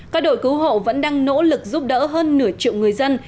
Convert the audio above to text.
các đội cứu hộ vẫn đang nỗ lực giúp đỡ hơn nửa triệu người dân